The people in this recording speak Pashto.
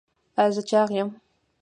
ایا زه چاغ یم؟